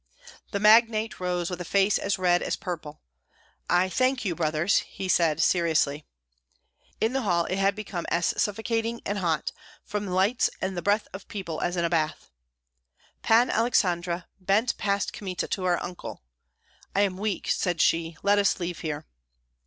The magnate rose with a face as red as purple. "I thank you, brothers," said he, seriously. In the hall it had become as suffocating and hot, from lights and the breath of people, as in a bath. Panna Aleksandra bent past Kmita to her uncle. "I am weak," said she; "let us leave here."